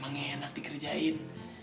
emang enak dikerjain